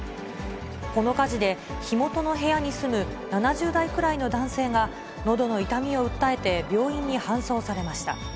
この火事で、火元の部屋に住む７０代くらいの男性がのどの痛みを訴えて、病院に搬送されました。